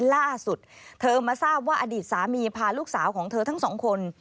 ล่าสุดเธอมาทราบว่าอดีตสามีพาลูกสาวของเธอทั้งสองคน